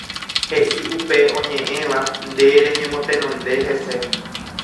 heʼi upe oñeʼẽva nde reñemotenonde hese.